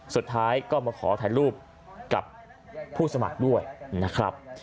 สุดท้ายก็มาขอถ่ายรูปกับผู้สมัครด้วยนะครับ